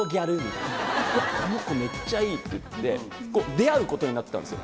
このコめっちゃいい！って言って出会うことになったんですよ。